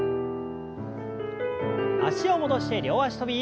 脚を戻して両脚跳び。